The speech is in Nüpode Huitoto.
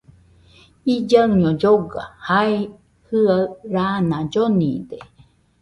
Illaiño lloga, jae jɨaɨ raana llonide